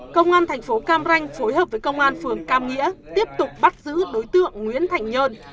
công an thành phố cam ranh phối hợp với công an phường cam nghĩa tiếp tục bắt giữ đối tượng nguyễn thành nhơn